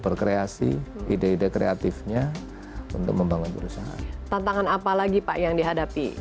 berkreasi ide ide kreatifnya untuk membangun perusahaan tantangan apa lagi pak yang dihadapi